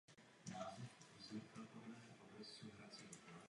V této kulové hvězdokupě je neobvykle velké množství proměnných hvězd.